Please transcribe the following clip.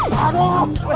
kita kurang deket ini